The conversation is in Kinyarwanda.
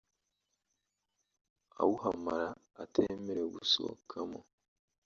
awuhamara atemerewe gusohokamo